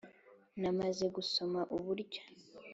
na maze gusoma uburyo